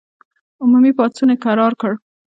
عمومي پاڅون یې کرار کړ.